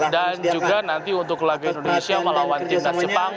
dan nanti untuk laga indonesia melawan tintas jepang